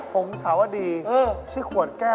คนละหมูก